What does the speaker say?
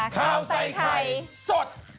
ข้าวใส่ไข่สด